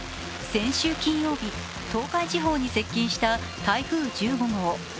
先週金曜日、東海地方に接近した台風１５号。